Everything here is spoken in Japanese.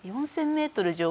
４０００メートル